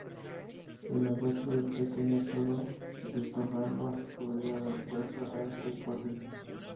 El hallazgo del pequeño toro de Torralba podría dar fuerza a esta hipótesis.